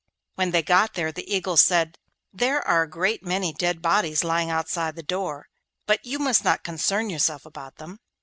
When they got there the Eagle said: 'There are a great many dead bodies lying outside the door, but you must not concern yourself about them.